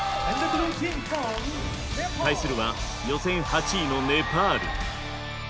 対するは予選８位のネパール。